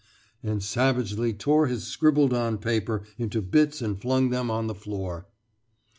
and savagely tore his scribbled on paper into bits and flung them on the floor.